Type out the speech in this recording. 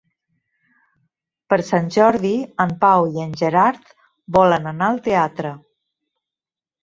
Per Sant Jordi en Pau i en Gerard volen anar al teatre.